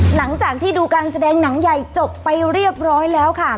หลังจากที่ดูการแสดงหนังใหญ่จบไปเรียบร้อยแล้วค่ะ